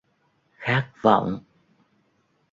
khát vọng